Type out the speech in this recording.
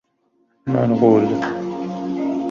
منقول